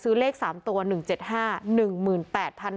ซื้อเลข๓ตัว๑๗๕๐๐๐บาท